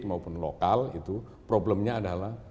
maupun lokal itu problemnya adalah